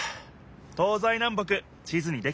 東西南北地図にできたな。